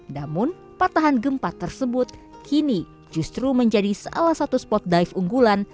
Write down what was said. namun patahan gempa tersebut kini justru menjadi salah satu spot dive unggulan